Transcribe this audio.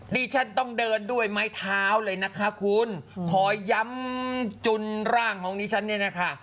ดิฉันต้องเดินด้วยไม้เท้าเลยนะคะคุณขอย้ำจุนร่างของดิฉันเนี่ยนะคะ